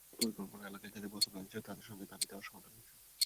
তবে প্রকল্প এলাকায় যাঁদের বসতবাড়ি ছিল, তাঁদের সঙ্গে দাবিদাওয়ার সমাধান হয়েছে।